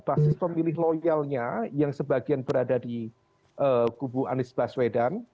basis pemilih loyalnya yang sebagian berada di kubu anies baswedan